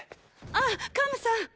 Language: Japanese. あカムさん！